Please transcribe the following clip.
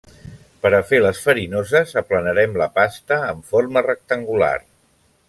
Per a fer les farinoses aplanarem la pasta en forma rectangular.